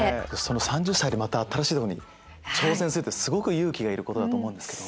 ３０歳でまた新しいとこに挑戦するってすごく勇気がいることだと思うんですけど。